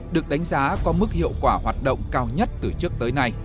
được đánh giá có mức hiệu quả hoạt động cao nhất từ trước tới nay